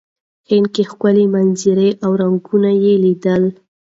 هند کې ښکلې منظرې او رنګونه یې لیدلي.